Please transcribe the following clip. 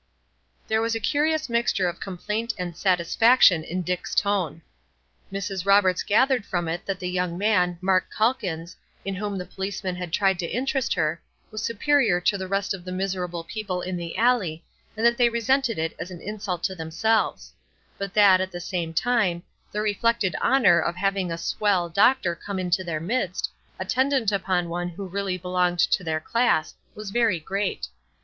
There was a curious mixture of complaint and satisfaction in Dick's tone. Mrs. Roberts gathered from it that the young man, Mark Calkins, in whom the policeman had tried to interest her, was superior to the rest of the miserable people in the alley, and that they resented it as an insult to themselves; but that, at the same time, the reflected honor of having a "swell" doctor come into their midst, attendant upon one who really belonged to their class, was very great.